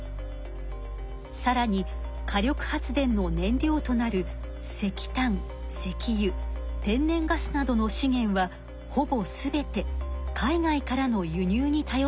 さらに火力発電の燃料となる石炭石油天然ガスなどの資源はほぼ全て海外からの輸入にたよっています。